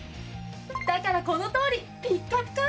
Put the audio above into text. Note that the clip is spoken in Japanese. だからこのとおりピッカピカ！